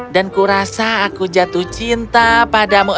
dan kurasa aku jatuh cinta padamu